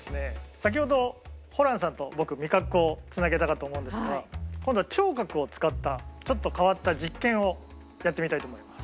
先ほどホランさんと僕味覚をつなげたかと思うんですが今度は聴覚を使ったちょっと変わった実験をやってみたいと思います。